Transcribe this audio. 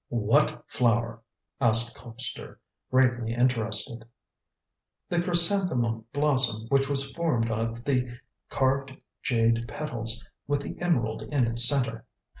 "What flower?" asked Colpster, greatly interested. "The chrysanthemum blossom which was formed of the carved jade petals, with the emerald in its centre.